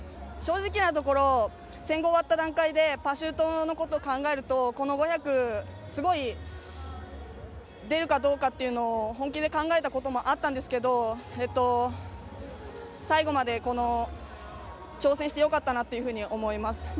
正直なところ、１５００終わった段階でパシュートのことを考えるとこの５００、すごい、出るかどうかを本気で考えたこともあったんですけど、最後まで挑戦してよかったなというふうに思います。